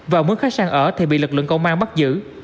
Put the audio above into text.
và muốn khách sạn ở thì bị lực lượng công an bắt giữ